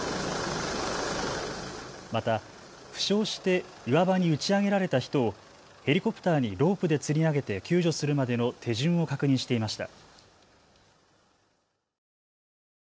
また、負傷して岩場に打ち上げられた人をヘリコプターにロープでつり上げて救助するまでの手順を確認していました。